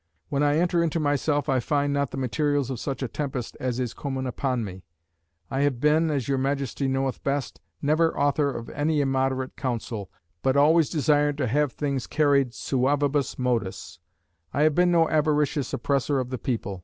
"When I enter into myself, I find not the materials of such a tempest as is comen upon me. I have been (as your Majesty knoweth best) never author of any immoderate counsel, but always desired to have things carried suavibus modis. I have been no avaricious oppressor of the people.